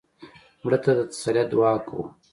مړه ته د تسلیت دعا کوو